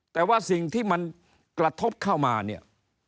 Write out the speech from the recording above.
แต่ว่าสิ่งที่มันกระทบเข้ามาเนี่ย